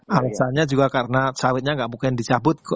harusannya juga karena sawitnya gak mungkin dicabut